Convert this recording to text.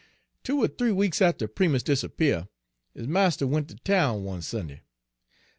"Two er th'ee weeks atter Primus disappear', his marster went ter town Page 112 one Sad'day.